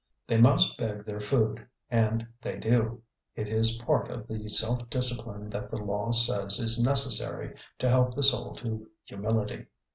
They must beg their food, and they do; it is part of the self discipline that the law says is necessary to help the soul to humility.